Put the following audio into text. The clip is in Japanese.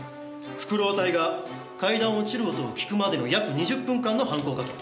ふくろう隊が階段を落ちる音を聞くまでの約２０分間の犯行かと。